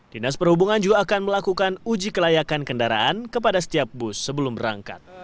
dinas perhubungan juga akan melakukan uji kelayakan kendaraan kepada setiap bus sebelum berangkat